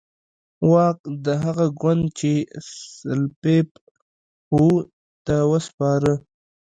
واک د هغه ګوند چې سلپيپ وو ته وسپاره.